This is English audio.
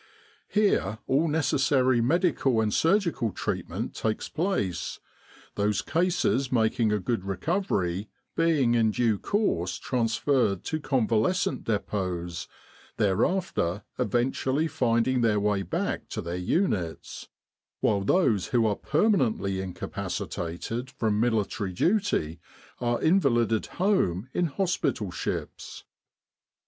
Here all necessary medical and surgical treatment takes place, those cases making a good recovery being in due course trans ferred to convalescent depots, thereafter eventually 76 Desert Warfare finding their way back to their units; while those who are permanently incapacitated from military duty are invalided home in hospital ships.